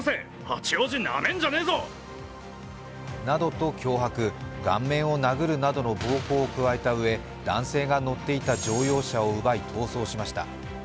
などと脅迫、顔面を殴るなどの暴行を加えたうえ、男性が乗っていた乗用車を奪い逃走しました。